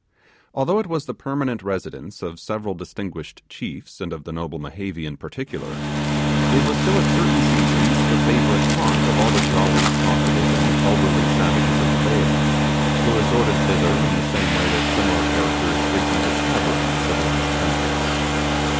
Although it was the permanent residence of several distinguished chiefs, and of the noble Mehevi in particular, it was still at certain seasons the favourite haunt of all the jolly, talkative, and elderly savages of the vale, who resorted thither in the same way that similar characters frequent a tavern in civilized countries.